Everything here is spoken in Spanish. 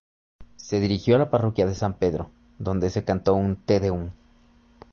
Se dirigió a la Parroquia de San Pedro, donde se cantó un "Te Deum".